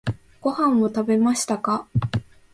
ご飯を食べましたか？